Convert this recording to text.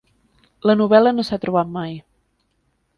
La novel·la no s'ha trobat mai.